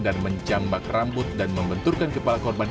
dan mencambak rambut dan membenturkan kepala korban